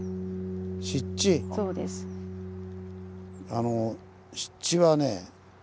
あの湿地はね